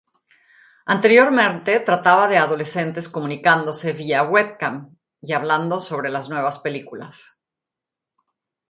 Anteriormente, trataba de adolescentes comunicándose vía webcam y hablando sobre las nuevas películas.